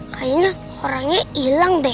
kayaknya orangnya hilang deh